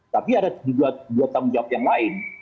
tapi ada dua tanggung jawab yang lain